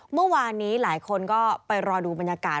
เมื่อวานนี้หลายคนก็ไปรอดูบรรยากาศ